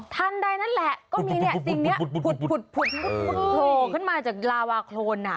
ทันใดนั่นแหละก็มีเนี่ยสิ่งนี้ผุดโผล่ขึ้นมาจากลาวาโครน